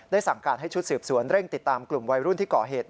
สั่งการให้ชุดสืบสวนเร่งติดตามกลุ่มวัยรุ่นที่ก่อเหตุ